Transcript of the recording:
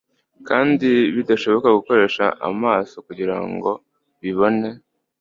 kandi bidashobora gukoresha amaso kugira ngo bibone